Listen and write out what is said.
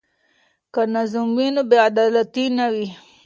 که نظم وي نو بې عدالتي نه وي.